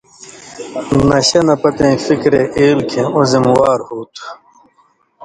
نشہ نہ پتَیں فِکرے ایل کھیں اُو ذِموار ہو تُھو۔